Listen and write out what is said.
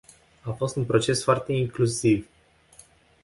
A fost un proces foarte incluziv.